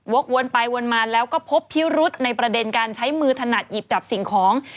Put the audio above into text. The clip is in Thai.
กวนไปวนมาแล้วก็พบพิรุษในประเด็นการใช้มือถนัดหยิบจับสิ่งของ